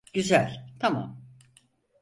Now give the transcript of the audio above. Güzel, tamam.